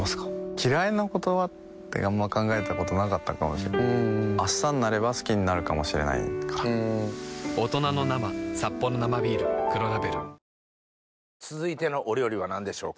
嫌いな言葉ってあんまり考えたことなかったかもしれない明日になれば好きになるかもしれないから続いてのお料理は何でしょうか？